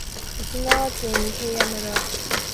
沖縄県伊平屋村